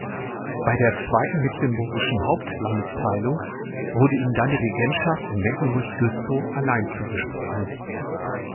Bei der Zweiten Mecklenburgischen Hauptlandesteilung wurde ihm dann die Regentschaft in Mecklenburg-Güstrow allein zugesprochen.